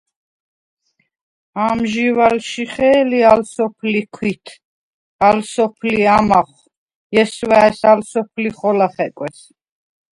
ამჟი̄ვ ალშიხე̄ლი ალ სოფლი ქვით, ალ სოფლი ამახვ, ჲესვა̄̈ჲს ალ სოფლი ხოლა ხეკვეს!